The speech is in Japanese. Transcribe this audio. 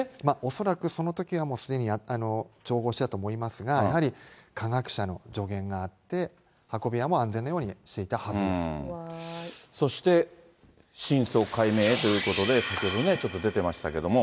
恐らく、そのときはもうすでにやった、調合したのを持っていたと思いますが、やはり科学者の助言があって、運び屋も安全なようにしていたはずそして、真相解明へということで、先ほどね、ちょっと出ていましたけれども。